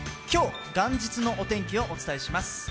今日、元日のお天気をお伝えします。